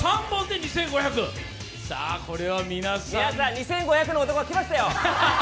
これは皆さん皆さん２５００の男が来ましたよ！